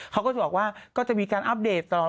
เขาก็จะบอกว่าก็จะมีการอัปเดตตลอด